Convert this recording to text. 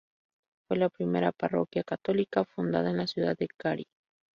Fue la primera parroquia católica fundada en la ciudad de Gary.